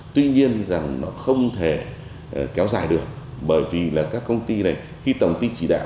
tuy nhiên nó không thể kéo dài được bởi vì các công ty này khi tổng ty chỉ đạo